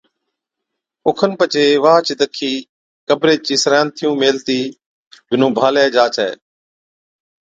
اوکن پڇي واھچ دکِي قبري چي سِرانٿيُون ميھلتِي وِنُون ڀانلَي جا ڇَي